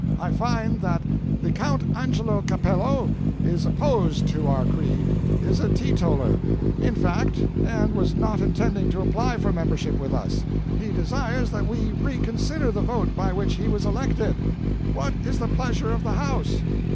I find that the Count Angelo Capello is opposed to our creed is a teetotaler, in fact, and was not intending to apply for membership with us. He desires that we reconsider the vote by which he was elected. What is the pleasure of the house?"